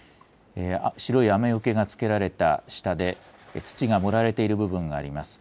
白い雨よけがつけられた下で土が盛られている部分があります。